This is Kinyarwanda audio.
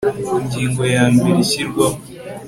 Ingingo ya ya mbere Ishyirwaho